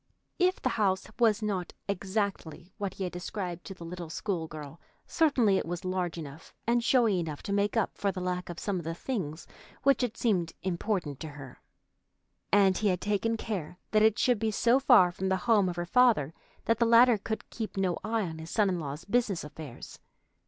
If the house was not exactly what he had described to the little school girl, certainly it was large enough and showy enough to make up for the lack of some of the things which had seemed important to her; and he had taken care that it should be so far from the home of her father that the latter could keep no eye on his son in law's business affairs.